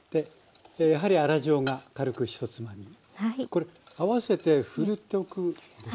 これ合わせてふるっておくんですね。